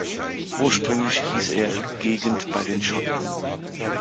Ursprünglich hieß er "Gegend bei den Schotten".